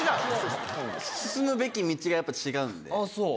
進むべき道がやっぱ違うんでそうですね